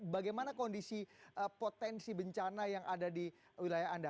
bagaimana kondisi potensi bencana yang ada di wilayah anda